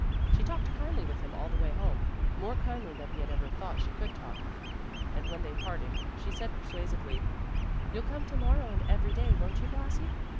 She talked kindly with him all the way home, more kindly than he had ever thought she could talk, and when they parted, she said persuasively, "You'll come tomorrow, and every day, won't you Blasi?"